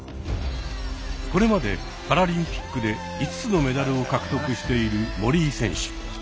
これまでパラリンピックで５つのメダルを獲得している森井選手。